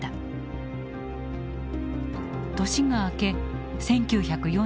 年が明け１９４２年。